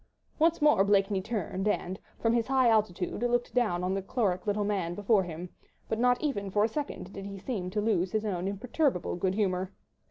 Once more Blakeney turned, and from his high altitude looked down on the choleric little man before him; but not even for a second did he seem to lose his own imperturbable good humour.